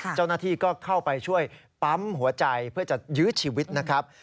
เจ้าหน้าที่ก็เข้าไปช่วยปั๊มหัวใจเพื่อจะยื้อชีวิตนะครับ